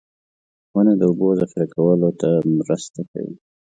• ونه د اوبو ذخېره کولو ته مرسته کوي.